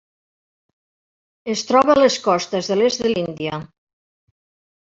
Es troba a les costes de l'est de l'Índia.